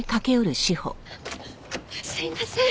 すいません。